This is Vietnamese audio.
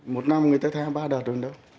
một năm người ta tha ba đợt hơn đâu